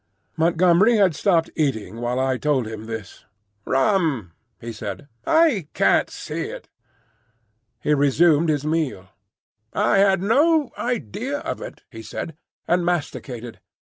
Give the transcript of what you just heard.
Montgomery had stopped eating while I told him this. "Rum!" he said. "I can't see it." He resumed his meal. "I had no idea of it," he said, and masticated.